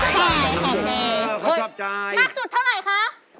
มากสุดเท่าไหร่คะ